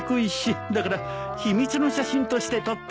だから秘密の写真として取っておこうと。